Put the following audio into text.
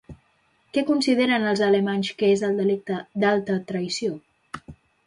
Què consideren els alemanys que és el delicte d'alta traïció?